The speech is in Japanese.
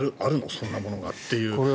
そんなものがっていう。